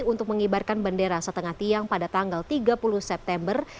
untuk mengibarkan bendera setengah tiang pada tanggal tiga puluh september